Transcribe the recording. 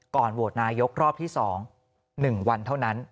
ก่อนโหวตนายกรอบที่๒หนึ่งวันเท่านั้น